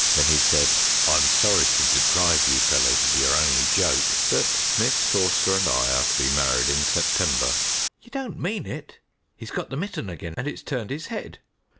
Then he said "I'm sorry to deprive you fellows of your only joke but Miss Forster and I are to be married in September." "You don't mean it?" "He's got the mitten again, and it's turned his head."